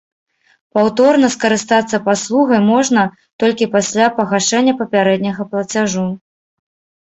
Паўторна скарыстацца паслугай можна толькі пасля пагашэння папярэдняга плацяжу.